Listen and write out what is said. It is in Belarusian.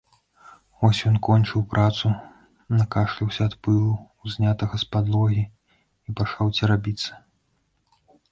Вось ён кончыў працу, накашляўся ад пылу, узнятага з падлогі, і пачаў церабіцца.